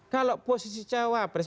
kalau posisi capres